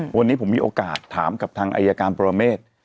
วันนี้ผมมีโอกาสถามกับทางอายการปรเมฆ